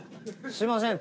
すいません。